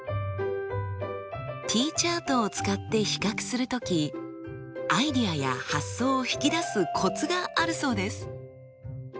Ｔチャートを使って比較する時アイデアや発想を引き出すコツがあるそうです。